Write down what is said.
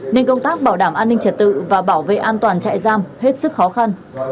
nên công tác bảo đảm an ninh trật tự và bảo vệ an toàn chạy giam hết sức khó khăn